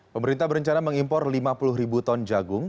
pemerintah berencana mengimpor lima puluh ribu ton jagung